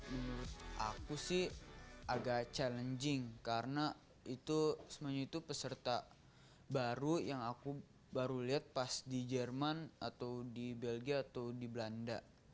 menurut aku sih agak challenging karena itu semuanya itu peserta baru yang aku baru lihat pas di jerman atau di belgia atau di belanda